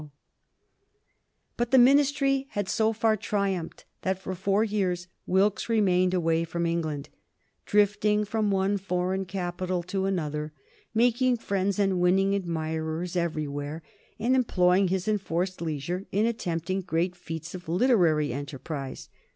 [Sidenote: 1764 Death of Hogarth and Churchill] But the Ministry had so far triumphed that for four years Wilkes remained away from England, drifting from one foreign capital to another, making friends and winning admirers everywhere, and employing his enforced leisure in attempting great feats of literary enterprise.